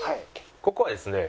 ここはですね